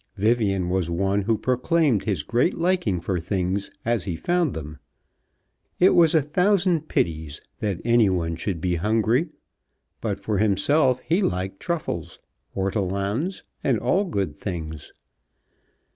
Vivian was one who proclaimed his great liking for things as he found them. It was a thousand pities that any one should be hungry; but, for himself, he liked truffles, ortolans, and all good things.